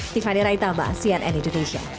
tiffany raitaba cnn indonesia